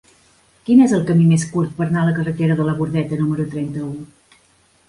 Quin és el camí més curt per anar a la carretera de la Bordeta número trenta-u?